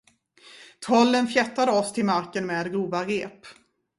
Trollen fjättrade oss till marken med grova rep.